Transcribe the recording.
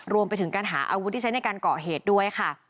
รวมไปถึงการหาอาวุธที่ใช้ในการเกาะเหตุด้วยค่ะ